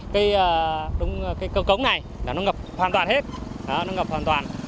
cái cầu cống này nó ngập hoàn toàn hết nó ngập hoàn toàn